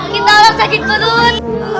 kita sakit perut